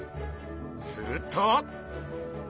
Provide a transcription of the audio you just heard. すると！